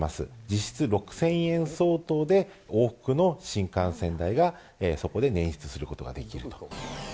実質６０００円相当で、往復の新幹線代がそこでねん出することができると。